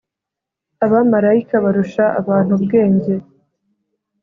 Abamarayika barusha abantu ubwenge